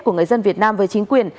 của người dân việt nam với chính quyền